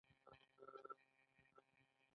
ښځې د غنمو په پاکولو کې مرسته کوي.